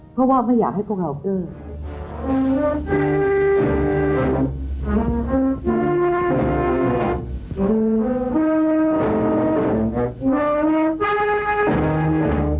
เพราะว่าไม่อยากให้พวกเราเกื้อ